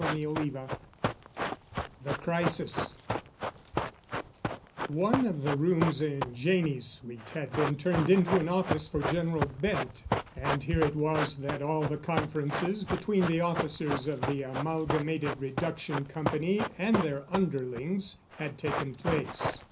*CHAPTER XXV* *THE CRISIS* One of the rooms in Janney's suite had been turned into an office for General Bent, and here it was that all the conferences between the officers of the Amalgamated Reduction Company and their underlings had taken place.